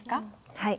はい。